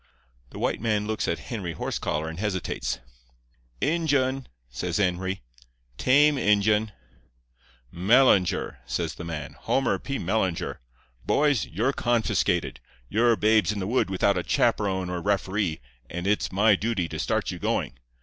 "The white man looks at Henry Horsecollar and hesitates. "'Injun,' says Henry; 'tame Injun.' "'Mellinger,' says the man—'Homer P. Mellinger. Boys, you're confiscated. You're babes in the wood without a chaperon or referee, and it's my duty to start you going.